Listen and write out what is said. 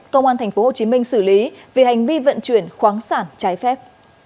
công an tp hcm xử lý vì hành vi vận chuyển khoáng sản trái phép